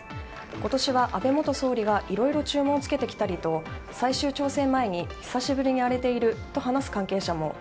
今年は、安倍元総理がいろいろ注文をつけてきたりと最終調整前に、久しぶりに荒れていると話す関係者も。